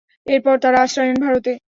এরপর তারা আশ্রয় নেন ভারতে।